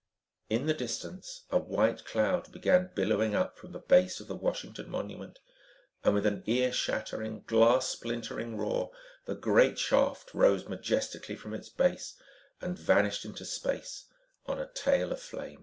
In the distance, a white cloud began billowing up from the base of the Washington Monument, and with an ear shattering, glass splintering roar, the great shaft rose majestically from its base and vanished into space on a tail of flame.